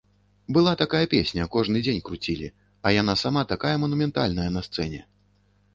Была такая песня, кожны дзень круцілі, а яна сама такая манументальная на сцэне.